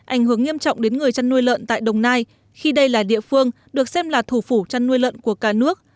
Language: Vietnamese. ảnh hưởng nghiêm trọng đến người chăn nuôi lợn tại đồng nai khi đây là địa phương được xem là thủ phủ chăn nuôi lợn của cả nước